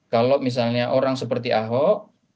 kalau misalnya orang seperti ahok